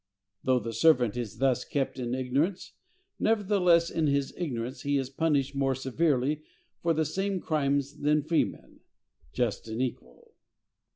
Though the servant is thus kept in ignorance, nevertheless in his ignorance he is punished more severely for the same crimes than freemen.—Just and equal!